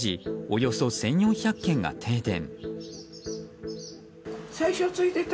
およそ１４００軒が停電。